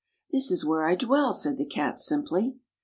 This is where I dwell," said the Cat simply.